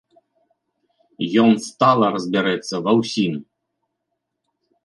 Ён стала разбярэцца ва ўсім.